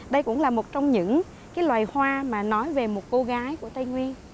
đây cũng là một trong những loài hoa mà nói về một cô gái của tây nguyên